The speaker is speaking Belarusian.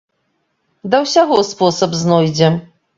Да ўсяго спосаб знойдзем.